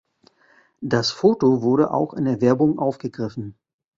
Das Foto wurde auch in der Werbung aufgegriffen.